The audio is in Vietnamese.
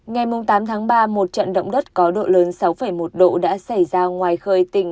ngày tám tháng ba một trận động đất có độ lớn sáu một độ đã xảy ra ngoài khơi tỉnh